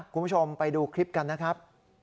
คุณผู้ชมไปดูคลิปกันนะครับ